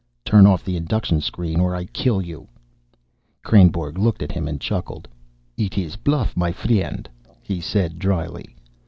"Turn off the induction screen, or I kill you!" Kreynborg looked at him and chuckled. "It is bluff, my friend," he said dryly.